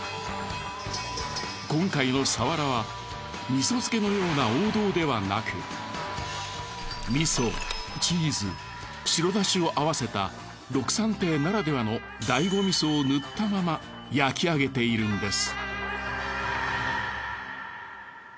今回のサワラは味噌漬けのような王道ではなく味噌チーズ白だしを合わせたろくさん亭ならではの醍醐味噌をぬったまま焼き上げているんです。